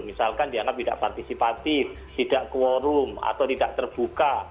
misalkan dianggap tidak partisipatif tidak quorum atau tidak terbuka